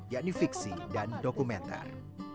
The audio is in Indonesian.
yakni fiksi dan dokumenter